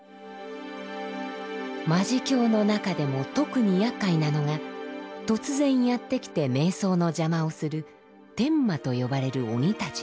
魔事境の中でも特にやっかいなのが突然やって来て瞑想の邪魔をする「天魔」と呼ばれる鬼たちです。